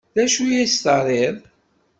D acu i as-terriḍ?